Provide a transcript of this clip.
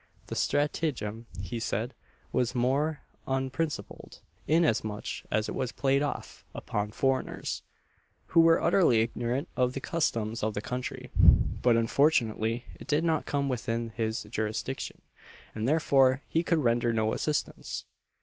The stratagem, he said, was the more unprincipled, inasmuch as it was played off upon foreigners, who were utterly ignorant of the customs of the country, but unfortunately it did not come within his jurisdiction, and therefore he could render no assistance.